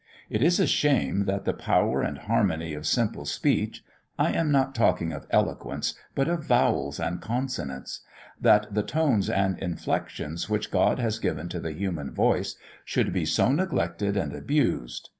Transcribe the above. It is a shame that the power and harmony of simple speech (I am not talking of eloquence, but of vowels and consonants), that the tones and inflexions which God has given to the human voice, should be so neglected and abused.